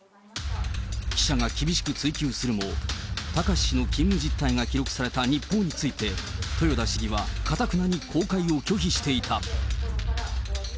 記者が厳しく追及するも、貴志氏の勤務実態が記録された日報について、豊田市議はかたくなに公開を拒否していた。